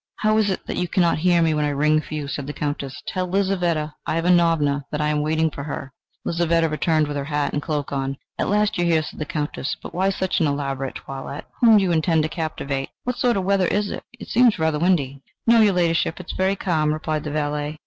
"How is it that you cannot hear me when I ring for you?" said the Countess. "Tell Lizaveta Ivanovna that I am waiting for her." Lizaveta returned with her hat and cloak on. "At last you are here!" said the Countess. "But why such an elaborate toilette? Whom do you intend to captivate? What sort of weather is it? It seems rather windy." "No, your Ladyship, it is very calm," replied the valet.